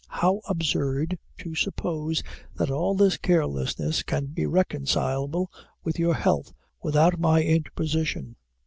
How absurd to suppose that all this carelessness can be reconcilable with health, without my interposition!